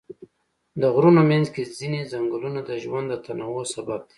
د غرونو منځ کې ځینې ځنګلونه د ژوند د تنوع سبب دي.